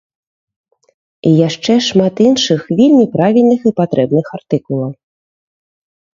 І яшчэ шмат іншых вельмі правільных і патрэбных артыкулаў.